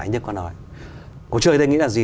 anh đức có nói cuộc chơi đây nghĩ là gì